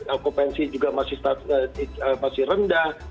alkopensi juga masih rendah